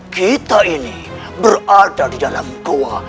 kita ini berada di dalam goa